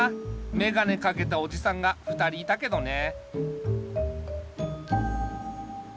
めがねかけたおじさんが２人いたけどね。